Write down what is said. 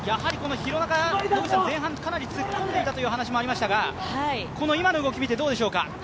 廣中、前半かなり突っこんでいたという話もありましたが、この今の動きを見てどうでしょうか？